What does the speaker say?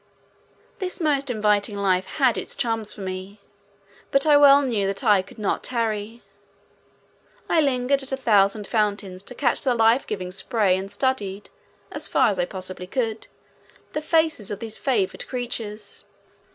This most inviting life had its charms for me, but I well knew that I could not tarry. I lingered at a thousand fountains to catch the life giving spray and studied, as far as I possibly could, the faces of these favored creatures.